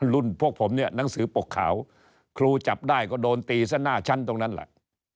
พวกผมเนี่ยหนังสือปกขาวครูจับได้ก็โดนตีซะหน้าชั้นตรงนั้นแหละ